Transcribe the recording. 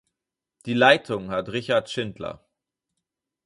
Die Leitung hat Richard Schindler.